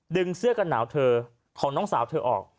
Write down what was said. เสื้อกันหนาวเธอของน้องสาวเธอออก